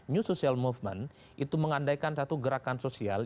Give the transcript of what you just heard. new social movement itu mengandaikan satu gerakan sosial